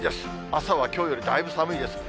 朝はきょうよりだいぶ寒いです。